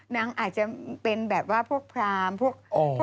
อาจจะเป็นแบบว่าพวกพรามพวก